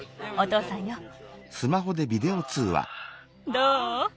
どう？